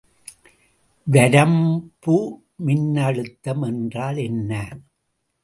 வரம்பு மின்னழுத்தம் என்றால் என்ன?